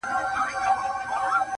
خو هيڅ نه سي ويلای تل,